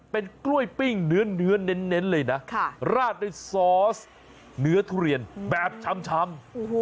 เป็นกล้วยปิ้งเนื้อเน้นเลยนะราดด้วยซอสเนื้อทุเรียนแบบชำ